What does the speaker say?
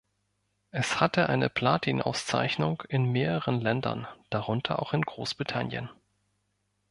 Es hatte eine Platin-Auszeichnung in mehreren Ländern, darunter auch Großbritannien.